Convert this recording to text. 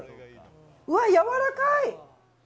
うわ、やわらかい！